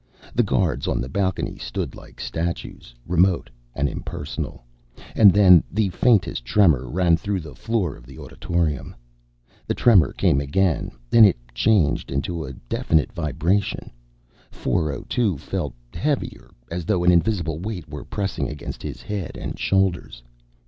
The guards on the balcony stood like statues, remote and impersonal. And then the faintest tremor ran through the floor of the auditorium. The tremor came again; then it changed into a definite vibration. 402 felt heavier, as though an invisible weight were pressing against his head and shoulders.